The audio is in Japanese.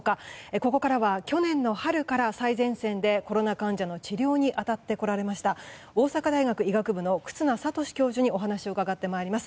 ここからは去年の春から最前線でコロナ患者の治療に当たってこられました大阪大学医学部の忽那賢志教授にお話を伺ってまいります。